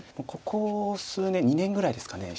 ここ数年２年ぐらいですか。